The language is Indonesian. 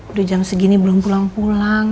udah jam segini belum pulang pulang